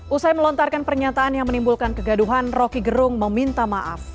usai melontarkan pernyataan yang menimbulkan kegaduhan roky gerung meminta maaf